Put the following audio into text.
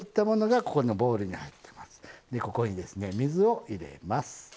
でここにですね水を入れます。